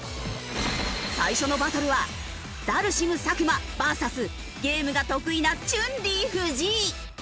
最初のバトルはダルシム作間バーサスゲームが得意な春麗藤井。